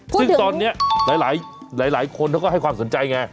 ซึ่งตอนนี้หลายคนเขาก็ให้ความสนใจไง